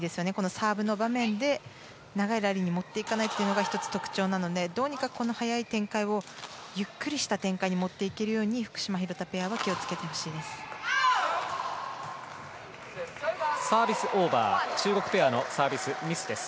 サーブの場面で長いラリーに持っていかないというのが１つ、特徴なのでどうにかこの早い展開をゆっくりした展開に持っていけるように福島、廣田ペアは気を付けてほしいです。